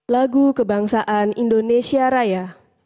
lagu kebangsaan indonesia raya